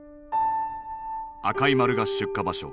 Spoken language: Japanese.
赤い丸が出火場所。